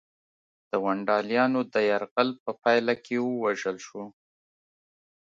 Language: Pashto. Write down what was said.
د ونډالیانو د یرغل په پایله کې ووژل شو.